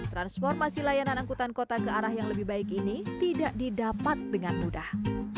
transformasi layanan angkutan kota ke arah yang lebih baik ini tidak didapat dengan mudah